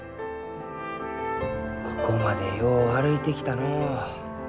ここまでよう歩いてきたのう。